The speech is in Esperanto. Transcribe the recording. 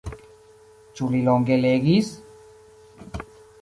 Ĉu li longe legis?